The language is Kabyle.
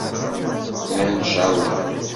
Llan cerrḍen.